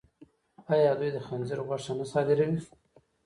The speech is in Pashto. آیا دوی د خنزیر غوښه نه صادروي؟